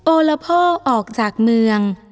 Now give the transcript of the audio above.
โอละพ่อออกจากเมือง